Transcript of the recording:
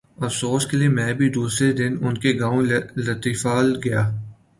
افسوس کیلئے میں بھی دوسرے دن ان کے گاؤں لطیفال گیا۔